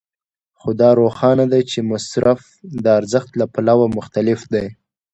خو دا روښانه ده چې مصرف د ارزښت له پلوه مختلف دی